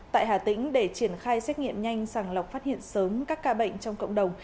tại hà tĩnh để triển khai xét nghiệm nhanh sàng lọc phát hiện sớm các ca bệnh trong cộng đồng